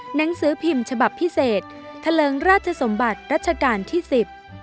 หนังสือพิมพ์ฉบับพิเศษทะเลิงราชสมบัติรัชกาลที่สิบ